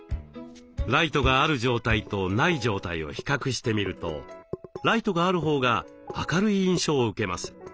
ライトがある状態とない状態を比較してみるとライトがあるほうが明るい印象を受けます。